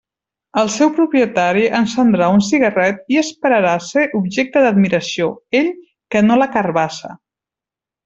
El seu propietari encendrà un cigarret i esperarà ser objecte d'admiració, ell, que no la carabassa.